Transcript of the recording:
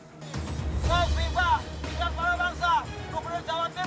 kepala bangsa gubernur jawa timur